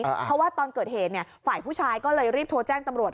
เพราะว่าตอนเกิดเหตุฝ่ายผู้ชายก็เลยรีบโทรแจ้งตำรวจ